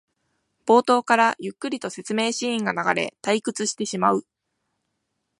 冒頭からゆっくりと説明シーンが流れ退屈してしまう